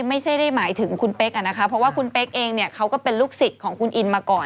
ไม่ได้หมายถึงคุณเป๊กเนี่ยเพราะคุณเป๊กเองเป็นลูกศึกคุณอินมาก่อน